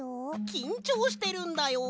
きんちょうしてるんだよ。